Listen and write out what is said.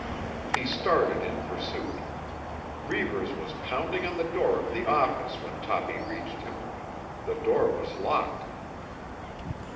He started in pursuit. Reivers was pounding on the door of the office when Toppy reached him. The door was locked.